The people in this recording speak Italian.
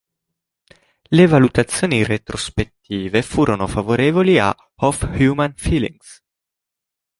Le valutazioni retrospettive furono favorevoli a "Of Human Feelings".